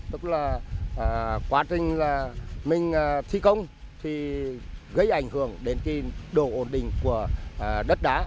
tức là quá trình là mình thi công thì gây ảnh hưởng đến cái độ ổn định của đất đá